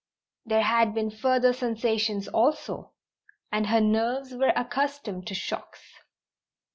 There had been further sensations also, and her nerves were accustomed to shocks.